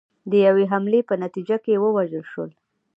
د یوې حملې په نتیجه کې ووژل شول